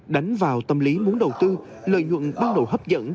đánh vào tâm lý muốn đầu tư lợi nhuận ban đầu hấp dẫn